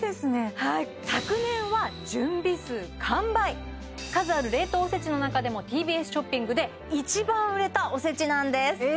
はい数ある冷凍おせちの中でもＴＢＳショッピングで一番売れたおせちなんですえ